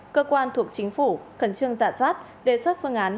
cơ quan thuộc chính phủ khẩn trương giả soát đề xuất phương án